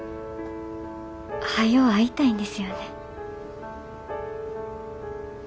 はよ会いたいんですよね。